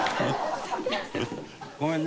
ごめんね。